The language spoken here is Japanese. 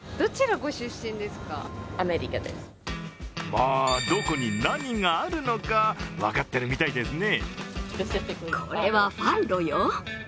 もうどこに何があるのか、分かってるみたいですね。